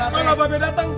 kalau babe dateng